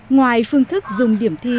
ngoài phương thức dùng điểm thi